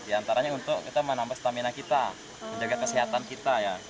di antaranya untuk kita menambah stamina kita menjaga kesehatan kita ya